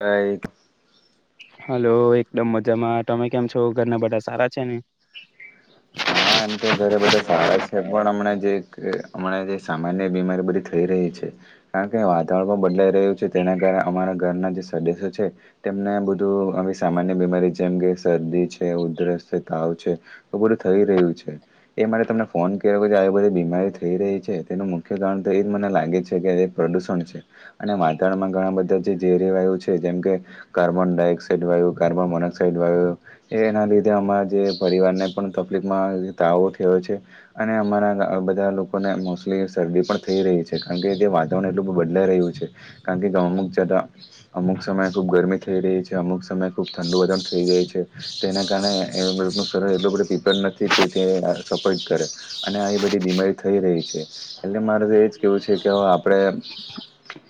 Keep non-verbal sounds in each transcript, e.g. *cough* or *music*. હાય hello એકદમ મજામાં તમે કેમ છો. ઘરના બધા સારા છે ને? હા એમ તો ઘરે બધા સારા છે પણ હમણાં જે હમણાં જે સામાન્ય બીમારી બધી થઈ રહી છે કારણ કે વાતાવરણ પણ બદલાઈ રહ્યું છે. તેના કારણે અમારાં ઘરના જે સદસ્યો છે. તેમને બધું સામાન્ય બીમારી જેમ કે શરદી છે ઉધરસ તાવ છે. થઈ રહ્યું છે. અરે તમને ફોન કર્યો આવી બધી બીમારી થઈ રહી છે. તેનું મુખ્ય કારણ તો એમ લાગે છે કે પ્રદુણ છે અને વાતાવરણમાં ઘણા બધા જે રેવાયુ છે જેમ કે કાર્બન ડાયોક્સાઇડ વાયુ કાર્બન મોનોક્સાઇડ વાયુ એના લીધે અમારા જે પરિવારને પણ તકલીફમાં તાવ થયો છે અ ને અમારા બધા લોકોને મોસ્ટલી શરદી પણ થઈ. રહી કારણ કે વાતાવરણ એટલું બધું બદલાઈ રહ્યું છે. કારણ કે અમુક જતા અમુક સમયે ખૂબ ગરમી થઈ રહી છે અમુક સમય ખૂબ ઠડી વધુ થઈ ગઈ છે તે એના કારણે શહેરમાં એટલું બધું નથી કે સપોટ કરે અને આ બધી બીમારી થઈ રહી છે એટલે મારે કેવું છે કે આપણે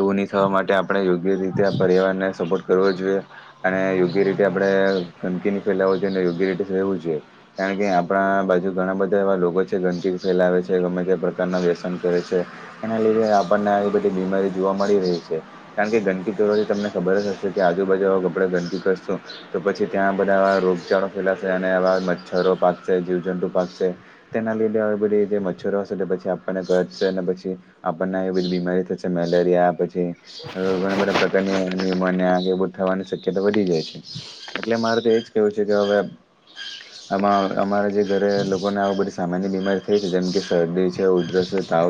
એવું નહી થવા માટે આપણે યોગ્ય રીતે પરિવારને સપોર્ટ કરવો જોઈએ અને યોગ્ય રીતે આપણે. ગંદકીની ફેલાવ જોઈ ને યોગ્ય રીતે સવું જોઈએ *unintelligible* કારણ કે આપણા બાજુ ઘણા બધા એવા લોકો છે ગંદકીથી ફેલાવે છે ગમે તે પ્રકારના વ્યસન કરે છે. એના લીધે આપણને આવી બધી બીમારી જોવા મળી રહી છે કારણ કે ગંદકી ચારે કોર થી તમને ખબર જ હશે. કે આજુબાજુ આપડે ગંદકી કરશું તો પછી ત્યાં બધા રોગચાળો ફેલાશે અને આવા મચ્છરો પાકશે જીવજંતુ પાકશે તેના લીધે બધી જે મચ્છરો હશે પછી આપણને કડશે પછી આપણને એ બધી બીમારી થશે મેલેરિયા પછી ઘણા બધા પ્રકારની ન્યુમોનિયા. થવાની શક્યતા વધી જાય છે. એટલે મારે તો એજ કેવું છે કે હવે આ અમારા જે ઘરે લોકોને આવ બધી સામાન્ય બીમારી થઈ છે જેમ કે શરદી છે ઉધરસ છે, તાવ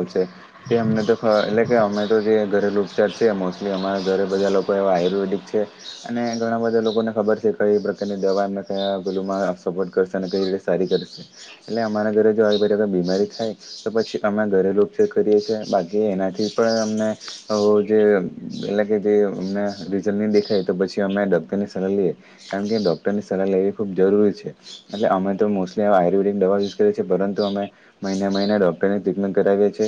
અમને તો એટલે કે અમે તો જે ઘરેલુ ઉપચાર છે, મોસ્ટલી અમારા ઘરે બધા લોકો એવા જ આયુર્વેદિક છે અને ઘણા બધા લોકોને ખબર છે, કઈ પ્રકારની દવા અમે કયા ગુલુમાં સપોર્ટ કરશે, કઈ રીતે સારી કરશે, એટલે અમારા ઘરે જો આવી બીમારી થાય તો પછી અમારા ઘરે છે, કરીએ છીએ બાકી એનાથી પણ અમને જે એટલે કે જે અ રિઝલ્ટ નહી દેખાય તો પછી, અમે ડોક્ટરની સલાહ લઈએ, કારણ કે ડોક્ટરની સલાહ લેવી ખૂબ જરૂરી છે. એટલે અમે તો મોસ્ટલી આયુર્વેદિક દવા યુઝ કરીએ, પરંતુ અમે મહિને મહિને ડોક્ટરની ટ્રીટમેન્ટ કરી છે,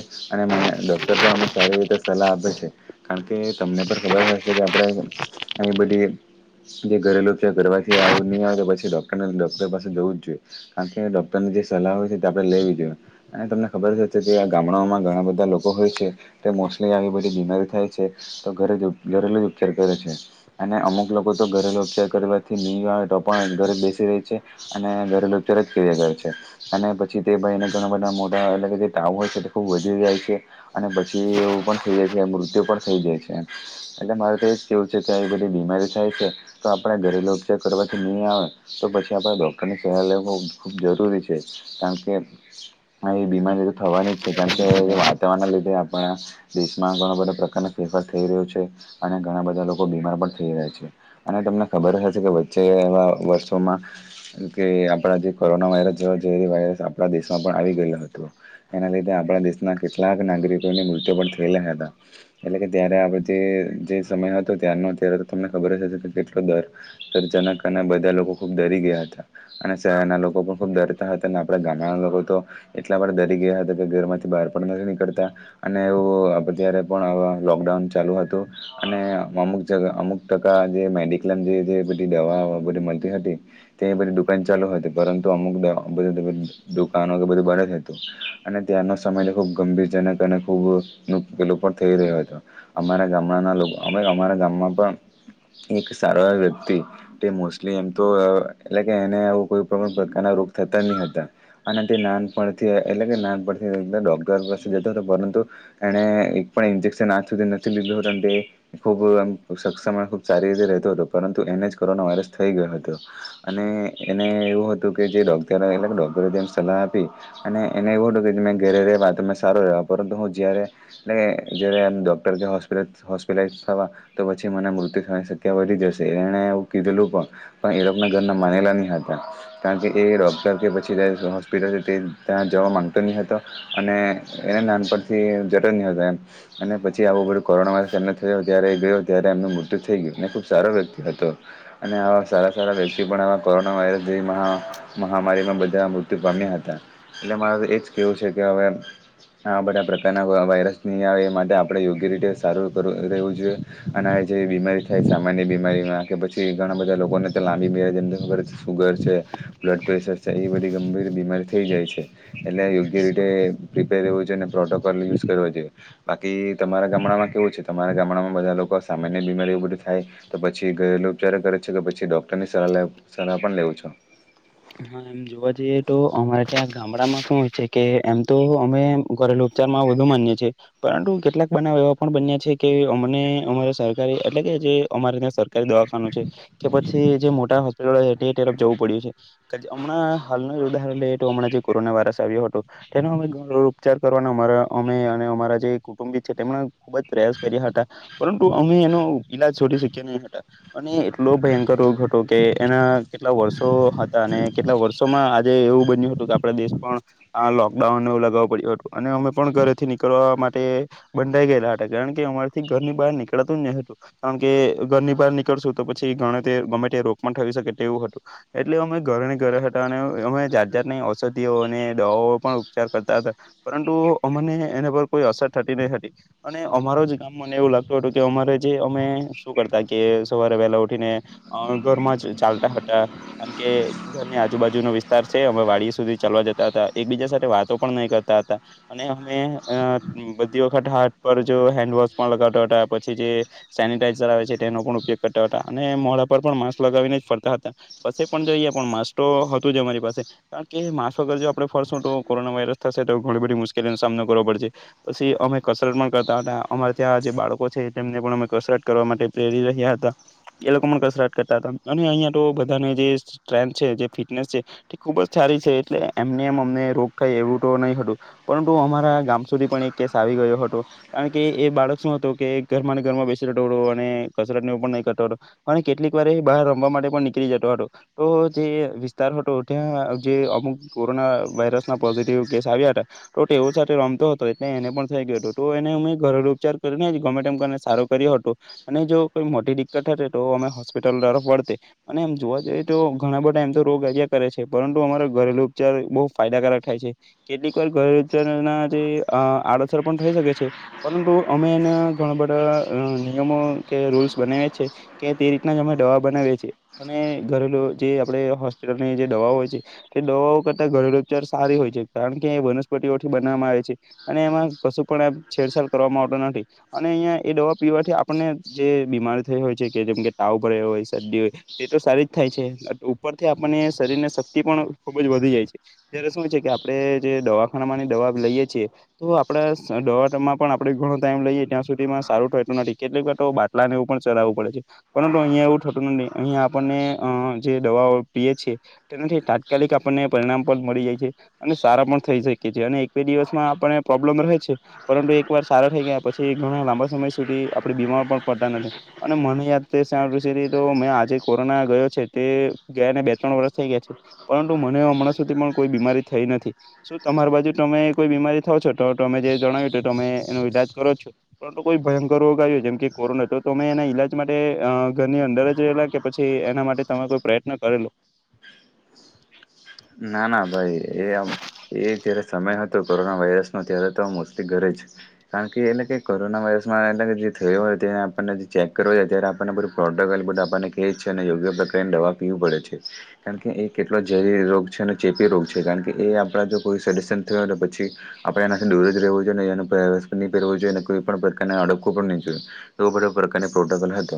ડોક્ટર પણ અમને સારી રીતે સલાહ આપે છે. કારણ કે તમને પણ ખબર હશે કે આપણે આવી બધી જે ઘરેલું છે. ઘરથી આવું નહીં આવે તો પછી ડોક્ટર ડોક્ટર પાસે જવું જ જોઈએ, કારણ કે ડોક્ટરની જે સલાહ હોય છે, તે આપણે લેવી જોઈએ અને તમને ખબર જ હશે કે ગામડાઓમાં ઘણા બધા લોકો હોય છે, તે મોસ્ટલી આવી બધી બીમારી થાય છે તો ઘરે ઘરેલું ઉપચાર કરે છે. ઉપચાર કરે છે અને અમુક લોકો તો ઘરેલુ ઉપચાર કરવાથી ન આવે તો પણ ઘરે બેસી રહી છે અને ઘરેલુ ઉપચાર જ કયરે જાય છે. અને પછી તે ભાઈને ઘણા બધા મોટા એટલે કે જે તાવ હોય છે તે ખૂબ વધી જાય છે અને પછી એવું પણ થઈ જાય છે, મૃત્યુ પણ થઈ જાય છે, એમ એટલે મારે તો એ જ કેવું છે કે આવી બધી બીમારી થાય છે તો આપણે ઘરેલુ ઉપચાર કરવાથી ની આવે તો પછી છી આપણે ડોક્ટરની સહાય લેવુ ખૂબ જરૂરી છે, કારણ કે આ એ બીમારી થવાની જ છે, કારણ કે વાતાવરણના લીધે પણ આ દેશમાં ઘણા બધા પ્રકારના ફેરફાર થઈ રહ્યો છે અને ઘણા બધા લોકો બીમાર પણ થઈ રહ્યા છે અને તમને ખબર હશે કે વચ્ચે એવા વર્ષોમાં કે આપડા જે કોરોના વાયરસ જેવા ઝેરી વાયરસ આપડા દેશમાં પણ આવી ગયેલો હતો એના લીધ ધે આપણા દેશના કેટલાક નાગરિકોની મૃત્યુ પણ થયેલા હતા એટલે કે ત્યારે આપણે જે જે સમય હતો ત્યારનો, ત્યારે તો તમને ખબર જ હશે કે કેટલો દર જનકના બધા લોકો ખુબ ડરી ગયા હતા અને શહેરના લોકો પણ ખુબ ડરતા હતા ને આપણે ગામડા લોકો તો એટલા બધા દરી ગયા હતા કે, ઘરમાંથી બહાર પણ નથી નીકળતા અને એવું આપણે તયારે પણ આવા લોકડાઉન ચાલુ હતું અને અમુક જગા અમુક ટકા જે મેડિક્લેમ જે જે બધી દવા બધી મલતી હતી. તે બધી દુકાન ચાલુ હતી પરંતુ અમુક દ દુકાનો બધું બન જ હતું અને ત્યારનો સમય ખૂબ ગંભીરજનક અને ખૂબ મુ પેલો પણ થઈ રહ્યો હતો, અમારા ગામડાના લોક અમે અમારા ગામમાં પણ એક સારો એવો વ્યક્તિ તે મોસ્ટલી એમ તો એટલે કે એને એવુ કોઈપણ પ્રકારના રોગ થતા ની હતા અને તે નાનપણથી એટલે કે નાનપણ ડોક્ટર પાસે જતો હતો, પરંતુ એણે એક પણ ઇન્જેક્શન આજ સુધી નથી લીધું હતું ને તે ખુબ એમ સક્ષમ ખુબ સારી રીતે રેહતો હતો, પરંતુ એને જ કોરોના વાયરસ થઈ ગયો હતો. અને એને એવું હતું કે જે ડોક્ટર એટલે કે ડોક્ટરે જેમ સલાહ આપી અને એને એવું હતું કે મેં ઘેરે રેવા તો મે સારો રેવા પરંતુ હુ જયારે ને જયારે એમ ડોક્ટર કે હોસ્પિટ હોસ્પિટ થવા તો પછી મને ને મૃત્યુ થવાની સક્યા વધી જશે, એણે એવું કીધેલું પણ પણ એ લોકને ડોક્ટરનુ માનેલા ની હતા, કારણ કે એ ડોક્ટર કે પછી તે દિવસે હોસ્પિટલ છે, તે ત્યાં જવા માંગતો ની હતો અને એને નાનપણથી જરૂરની હતો, એમ અને પછી આવું બધું કોરોના વાયરસ એમનો થયો ત્યારે ગયો. ત્યારે એમનું મૃત્યુ થઈ ગયું ને ખુબ સારો વ્યક્તિ હતો અને આવા સારા સારા વ્યક્તિ તિ પણ આવા કોરોના વાયરસ જેવી મહા મહામારીમાં બધા મૃત્યુ પામ્યા હતા, એટલે મારે તો એજ કેવું છે કે હવે આ બધા પ્રકારના વ વાયરસ ની આવે એ માટે આપણે યોગ્ય રીતે સારું કરવુ રહેવું જોઈએ અને જે બીમારી થાય સામાન્ય બીમારીમાં કે પછી ઘણા બધા લોકોને તો બે બે હજારની તો સુગર છે, બ્લડ પ્રેશર છે, એ બધી ગંભીર બીમારી થઈ જાય છે. એટલે યોગ્ય પ્રિપેર રહેવુ જોયન પ્રોટોકોલ યુઝ કરવો જોઈએ, બાકી તમારા ગામડામાં કેવું છે, તમારા ગામડામાં બધા લોકો સામાન્ય બીમારી એવું બધું થાય તો પછી ઘરેલુ ઉપચારો કરે છે કે પછી ડોક્ટરની સલા સલાહ પણ લેવ છો. હા, એમ જોવા જઈએ તો અમારે ત્યાં ગામડામાં શું હોય છે કે એમ તો અમે ઘરેલું ઉપચારમાં વધુ માન્ય છે પરંતુ કેટલાક બનાવ એવા પણ બન્યા છે કે અમને અમારે સરકારે એટલે કે જે અમારે ત્યાં સરકારી દવાખાનું છે કે પછી જે મોટા હોસ્પિટલો છે તે તરફ જવું પડ્યું છે. હમણાં હાલના જ ઉદાહરણ લઈએ તો હમણાં જે કોરોના વાયરસ આવ્યો હતો તેનો અમે ઘણું ઉપચાર કરવાના અમારા અમે અને અમારા જે કુટુંબી છે તેમણે ખુબ જ પ્રયાસ કર્યા હતા પરંતુ અમે એનો ઈલાજ શોધી શક્યા નય હતા. અને એટલો ભયંકર રોગ હતો કે એના કેટલા વર્ષો *unintelligible* અને કેટલાક વર્ષોમાં આજે એવું બન્યું હતું કે આપડે દેશ પણ આ લોકડાઉન એવું લગાવ પડ્યું હતું. અને અમે પણ ઘરેથી નીકળવા મા ટે બંધાઈ ગયેલા હતા કારણ કે અમારેથી ઘરની બાર નીકાળતું જ ની હતું કારણ કે ઘરની બહાર નીકળ વા કરશુ તો પછી ગણે તે ગમે તે રોગ પણ થઈ શકે તેવું હતું એટલે અમે ઘરને ઘરે હતા અને અમે જાત જાતની ઔષધિઓ ને દવાઓ પણ ઉપચાર કરતા હતા પરંતુ અમને એના પર કોઈ અસર થતી નય હતી અને અમારો જ કામ મને એવું લાગતું હતું કે અમારે જે અમે શું કરતા કે સવારે વહેલા ઉઠીને અ અ ઘરમા ચાલતા હતા કેમ કે ઘરની આજુબાજુનો વિસ્તાર છે અમે વાડી સુધી ચાલવા જતા હતા એકબીજા સાથે વાતો પણ નય કરતા હતા અને ને અમે અ બધી વખત હાથ પર જો હેન્ડ વોશ પણ લગાતા હતા પછી જે સેનીટા ઈઝર આવે છે તેનો પણ ઉપયોગ કરતા હતા અને મોડા પર પણ માસ્ક લગાવીને જ ફરતા હતા પછી પણ જોઈએ પણ માસ તો હતું જ અમારી પાસે કારણ કે માસ વગર જો આપણે ફરશું તો કોરોના વાયરસ થશે તો ઘણી બધી મુશ કેલીનો સામનો કરવો પડે છે પસી અમે કસરત પણ કરતા હતા અમારે ત્યાં જે બાળકો છે તેમને પણ અમે કસરત કરવા માટે પ્રેરી રહ્યા હતા એ લોકો પણ કસરત કરતા હતા અને અહિયાં તો બધાને જે સ્ટ્રેન્થ છે જે ફિટનેસ છે તે ખુબ જ સારી છે એટલે એમને એમ અમને રોગ થાય એવું તો નય હતું. પરંતુ અમારા ગામ સુધી પણ એક કેસ આવી ગયો હતો કારણ કે એ બાળક શું હતો કે ઘરમાંને ઘરમાં બેસી રેતો અને કસરત નેવું પણ નય કરતો હતો અને કેટલીક વારએ બહાર રમવા માટે પણ નીકળી જતો હતો. તો જે વિસ્તાર હતો ત્યાં જે અમુક કોરોના વાયરસના પોઝિટિવ કેસ આવ્યા હતા. તો ટેવો સાથે રમતો હતો એટલે એને પણ થઈ ગયો હતો તો એને અમે ઘરેલુ ઉપચાર કરીને જ ગમે તેમ કરને સારો કર્યો હતો અને જો કોઈ મોટી દિકકત હતે તો અમે હોસ્પિટલ તરફ વળતે અને એમ જોવા જઈએ તો ઘણા બધા એમ તો રોગ આવ્યા કરે છે પરંતુ અમારો ઘરેલુ ઉપચાર બોવ ફાયદાકારક થાય છે કેટલીક વાર ઘરેલુ ઉપચાર ના જે અ આડઅસર પણ થઈ શકે છે પરંતુ અમે એના ઘણા બધા અ નિયમો કે રુલ્સ બનાવે છે કે તે રીતના જ અમે દવા બનાવીએ છીએ અને ઘરેલુ જે આપડે હોસ્પિટલની જે દવાઓ હોય છે તે દવાઓ કરતા ઘરેલુ ઉપચાર સારી હોય છે કારણ કે એ વનસ્પતિઓથી બનાવામાં આવે છે અને એમાં કશું પણ એમ છેડછાડ કરવામાં આવતો નથી અને અંયા એ દવા પીવાથી આપણને જે બીમારી થઈ હોય છે કે જેમ કે તાવ ભર્યો હોય શરદી હોય તે તો સારી થાય છે ઉપરથી આપણને શરીરને શક્તિ પણ ખુબ જ વધી જાય છે જ્યારે શું છે કે આપણે જે જે દવાખાના માની દવા લઈએ છીએ તો આપડે દવામાં પણ આપડે ઘણો ટાઈમ લઈએ ત્યાં સુધીમાં સારું થતું નથી કેટલીક વાર તો બાટલાને એવું પણ ચડાવવું પડે છે પરંતુ અહિયા એવું થતું નથી અહિયા આપણને અ જે દવાઓ પીએ છે તેનાથી તાત્કાલિક આપણને પરિણામ પણ મળી જાય છે અને સારા પણ થઈ શકીએ છે અને એક બે દિવસમાં આપણે પ્રોબ્લેમ રહે છે પરંતુ એક વાર સારા થઈ ગયા પછી ઘણા લાંબા સમ ય સુધી આપડે બીમાર પણ પડતા નથી અને મને યાદ તો *unintelligible* તો મેં આજે કોરોના ગયો છે તે ગયાને બે ત્રણ વર્ષ થઈ ગયા છે પરંતુ મને હમણાં સુધી પણ કોઈ બીમારી થઈ નથી. શુ તમાર બાજુ તમે કોઈ બીમારી થવ છો તો તમે જે જણાવ્યું તો તમે એનો ઈલાજ કરો છો પરંતુ કોઈ ભયંકર રોગ આયવો જેમ કે કોરોના તો તમે એના ઈલાજ માટે અ ઘરની અંદર જ રહેલા કે પછી એના માટે તમે કોઈ પ્રયત્ન કરેલો ના ના ભાઈ એ આમ એ જ્યારે સમય હતો કોરોના વાયરસનો ત્યારે તો મોસ્ટલી ઘરે જ કારણ કે એટલે કે કોરોના વાયરસમાં એટલે કે જે થયો હોય તેને આપને જે ચેક કરાવયે ત્યારે આપણને બધુ પ્રોટેબલ બધા આપણને કેય છે ને યોગ્ય પ્રકારની દવા પીવું પડે છે કારણ કે એ કેટલો ઝેરી રોગ છે અને ચેપી રોગ છે કારણ કે એ આપણા જો કોઈ *unintelligible* થયુ હોય તો પછી આપણે એનાથી દૂર જ રહેવું જોઈ ને એનું પેરવેશ પણની પહેરવો જોઈએ અને કોઈ પણ પ્રકારના અડકવુ પણની જોયએ એવો બધો પ્રકારની પ્રોટોકોલ હતો.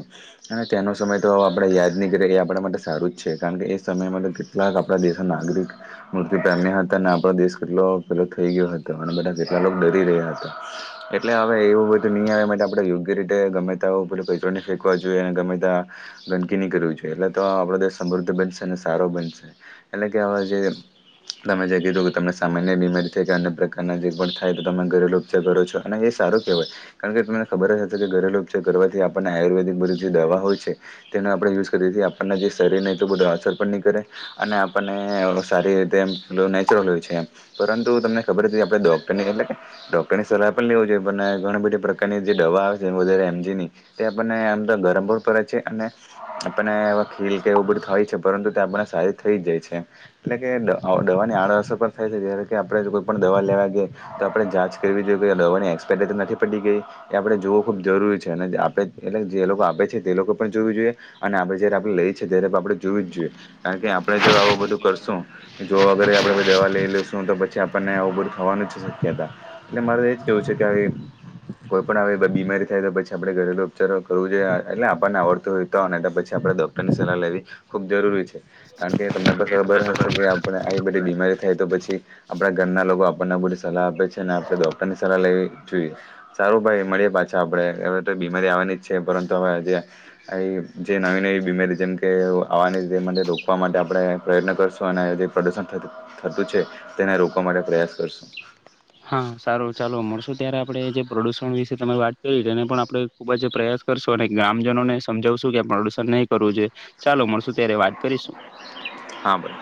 અને તેનો સમય તો આપણેે યાદની કરીએ કે આપણા માટે સારું જ છે કારણ કે એ સમયમાં તો કેટલાક આપડા દેશના નાગરિક મૃત્યુ પામ્યા હતા અને આપણો દેશ કેટલો પેલો થઈ ગયો હતો અને બધા કેટલા લોક ડરી રહ્યા હતા એટલે હવે એવું બધું ની અવે આમાં તો આપણે યોગ્ય રીતે ગમે તેવુ પેલુ કચરોની ફેંકવા જોઈએ. તેને ગમે તા ગંદકીની કરવી જોઈએ એટલે તો આપણો દેશ સમૃદ્ધ બનશે અને સારો બનશે એટલે કે અવે જે જે તમે જે કીધું કે તમને સામાન્ય બીમારી થાય કે અન્ય પ્રકારના જે પણ થાય તો તમે ઘરેલુ ઉપચાર કરો છો અને એ સારો કહેવાય કારણ કે તમને ખબર જ હતી કે ઘરેલુ ઉપચાર કરવાથી આપણને આયુર્વેદિક બધી જે દવા હોય છે. તેનો આપણે યુઝ કરીએ છે આપણને જે શરીર નહીં તો બધુ અસર પણની કરે અને આપ આપને સારી રીતે એમ પેલુ નેચરલ હોય છે એમ પરંતુ તમને ખબર હતી આપણે ડોક્ટરની એટલે કે ડોક્ટરની સલાહ પણ લેવી જોઈએ પણને ઘણી બધી પ્રકારની જે દવા આવે છે વધારે એમજીની તે આપણને એમ ત ગરમ પણ પડે છે અને આપણને આવા ખીલ કે એવું બધું થય છે પરંતુ તા આપણને સારી થઈ જાય છે. એટલે કે દઅ દવાની આડઅસર પણ થાય છે જયારેે કે આપણેે કોઈપણ દવા લેવા ગઈએ તો આપણે જાત કરી જોયું કે દવાની એક્સપાયર ડેટ તો નથી પતી ગઈ એ આપણે જોવુ ખૂબ જરૂરી છે અને જે આપણે એટલે જે લોકો આપે છે તે લોકો પણ જોવુ જોઈએ અને આપડે જયારે આપડે લઈએ ત્યારે આપડે જોવુ જ જોઈએ કારણ કે આપણેે જો આવુ કરશું જોવા અગર આપણે દવા લઈ લઉશું તો પછી આપણને આવું બધું થવાનું જ શક્યતા. એટલે મારે તો એ જ કહેવું છે કે *unintelligible* કોઈ પણ આવી બડી બીમારી થાય તો પછી આપડે ઘરેલુ ઉપચારો કરવું જોઈએ એટલે આપણને આવડતું હોય તો પછી આપણે ડોક્ટરની સલાહ લેવી ખૂબ જરૂરી છે. કારણ કે તમને ખબર હશે કે આપને આવી બધી બીમારી થાય તો પછી આપણા ઘરના લોકો આપણને બધી સલાહ આપે છેને આપણે ડોક્ટર ની સલાહ લેવી જોઈએ. સારું ભાઈ મળીએ પાછા આપડે. *unintelligible* મારી આવાની જ છે, પરંતુ હવે જે આવી જે નવી નવી બીમારી જેમ કે આવવાની તે માટે ડૉક્ *unintelligible* માટે આપડે પ્રયત્ન કરશુ અને જે પ્રદૂષણ થતું છે તેને રોકવા માટે પ્રયાસ કરશું. હા સારો ચાલો મળશો ત્યારે આપણેે જે પ્રદુષણ વિશે તમે વાત કરી એને પણ આપણેે ખુબ જ પ્રયાસ કરશું અને ગ્રામજનોને સમજાવશું કે પ્રદુષણ નહી કરવું. જોઈએ ચાલ મળશું ત્યારે વાત કરીશું. હા બોલો.